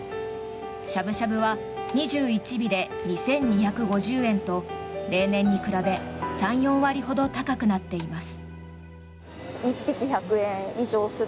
しゃぶしゃぶは２１尾で２２５０円と例年に比べ３４割ほど高くなっています。